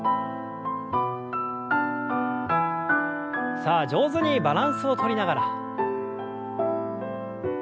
さあ上手にバランスをとりながら。